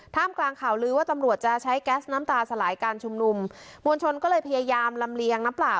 กลางข่าวลือว่าตำรวจจะใช้แก๊สน้ำตาสลายการชุมนุมมวลชนก็เลยพยายามลำเลียงน้ำเปล่า